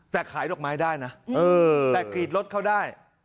แต่ขายดอกไม้ได้นะแต่กรีดรถเขาได้